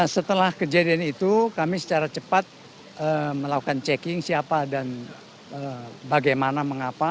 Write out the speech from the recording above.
setelah kejadian itu kami secara cepat melakukan checking siapa dan bagaimana mengapa